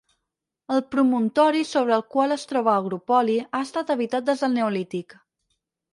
El promontori sobre el qual es troba Agropoli ha estat habitat des del neolític.